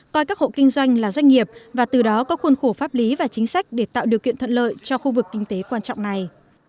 coi các hộ kinh doanh là doanh nghiệp và từ đó có khuôn khổ pháp lý và chính sách để tạo điều kiện thuận lợi cho khu vực kinh tế quan trọng này